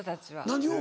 何を？